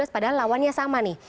padahal lawannya sama nih